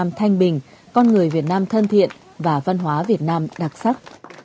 việt nam thanh bình con người việt nam thân thiện và văn hóa việt nam đặc sắc